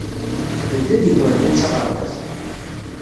Nedda ed yigerdan s aɣerbaz.